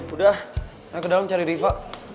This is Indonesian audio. udah naik ke dalam cari riva